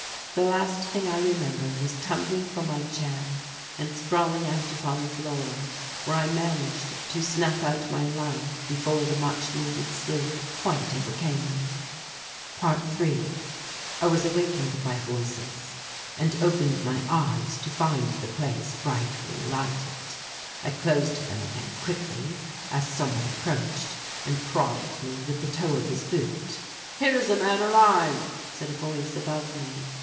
The last thing I remember was tumbling from my chair and sprawling out upon the floor where I managed to snap out my light before the much needed sleep quite overcame me. ~3~ I was awakened by voices, and opened my eyes to find the place brightly lighted. I closed them again quickly as some one approached and prodded me with the toe of his boot. "Here is a man alive," said a voice above me.